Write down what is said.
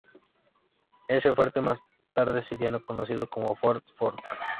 Ese fuerte más tarde sería conocido como Fort Fork.